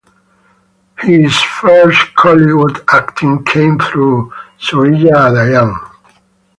His first Kollywood acting came through "Suriya Udayan".